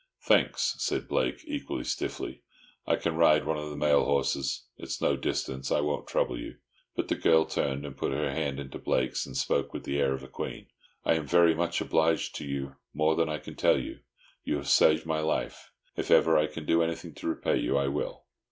"Thanks," said Blake, equally stiffly, "I can ride one of the mail horses. It's no distance. I wont trouble you." But the girl turned and put her hand into Blake's, and spoke with the air of a queen. "I am very much obliged to you—more than I can tell you. You have saved my life. If ever I can do anything to repay you I will."